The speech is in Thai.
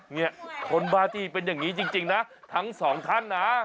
เนี่ยคนบ้านที่เป็นอย่างนี้จริงนะทั้งสองท่านนะ